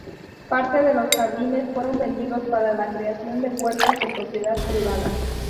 Parte de los jardines fueron vendidos para la creación de huertas de propiedad privada.